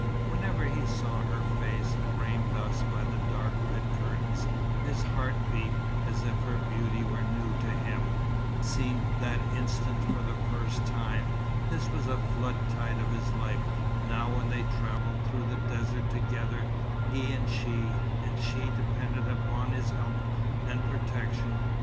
Whenever he saw her face, framed thus by the dark red curtains, his heart beat, as if her beauty were new to him, seen that instant for the first time. This was the flood tide of his life, now when they travelled through the desert together, he and she, and she depended upon his help and protection.